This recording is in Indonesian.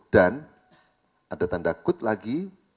dan ada tanda kut lagi